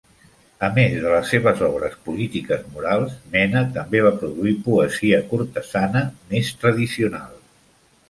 A més de les seves obres polítiques morals, Mena també va produir poesia cortesana més tradicional.